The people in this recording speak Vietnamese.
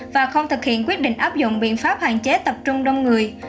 và không thực hiện quyết định áp dụng biện pháp hạn chế tập trung đông người